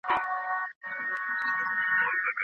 ښايي د هغوی ښکلا د هغوی د تباهۍ سبب سي.